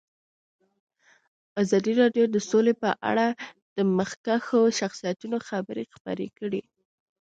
ازادي راډیو د سوله په اړه د مخکښو شخصیتونو خبرې خپرې کړي.